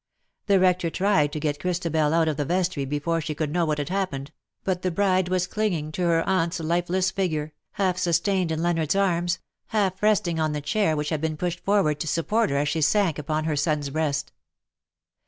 The Eector tried to get Christabel out of the vestry before she could know what had happened — but the bride was clinging to her aunt's lifeless VOL. II. K figure, half sustained in Leonard's arms, half resting on the chair which had been pushed forward to support her as she sank upon her son's breast.